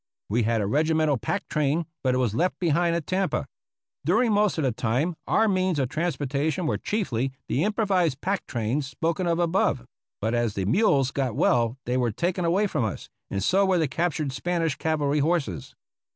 We had a regimental pack train, but it was left behind at Tampa. During most of the time our means of transportation were chiefly the improvised pack trains spoken of above ; but as the mules got well they were taken away from us, and so were the captured Spanish cavalry horses.